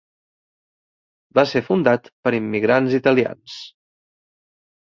Va ser fundat per immigrants italians.